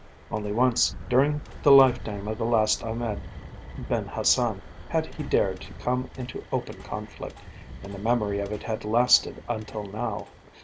Only once during the lifetime of the last Ahmed Ben Hassan had he dared to come into open conflict, and the memory of it had lasted until now.